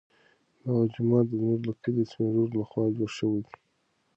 دغه جومات زموږ د کلي د سپین ږیرو لخوا جوړ شوی.